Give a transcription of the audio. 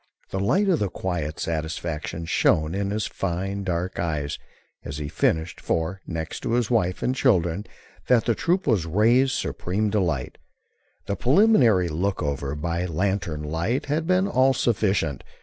A light of quiet satisfaction shone in his fine, dark eyes as he finished, for, next to his wife and children, that troop was Ray's supreme delight. The preliminary look over by lantern light had been all sufficient.